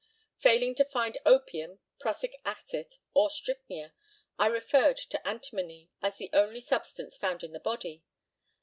Failing to find opium, prussic acid, or strychnia, I referred to antimony, as the only substance found in the body.